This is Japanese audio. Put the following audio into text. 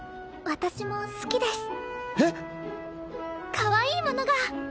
かわいいものが！